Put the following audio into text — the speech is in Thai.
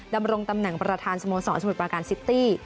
ดำรงตำแหน่งประธานสโมสรสมุทรปราการซิตี้